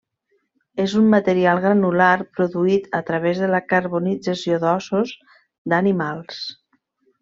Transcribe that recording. És un material granular produït a través de la carbonització d'ossos d'animals.